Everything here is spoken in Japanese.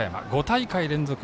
５大会連続